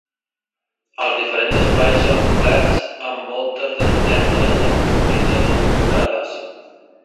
Els diferents espais són coberts amb voltes de llunetes, amb cornises motllurades.